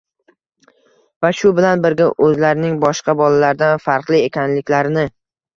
va shu bilan birga o‘zlarining boshqa bolalardan farqli ekanliklarini